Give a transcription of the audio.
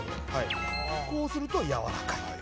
こうするとやわらかい。